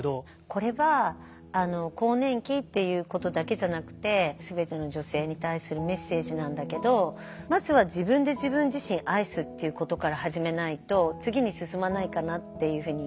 これは更年期っていうことだけじゃなくて全ての女性に対するメッセージなんだけどまずは「自分で自分自身愛す」っていうことから始めないと次に進まないかなっていうふうに思うのね。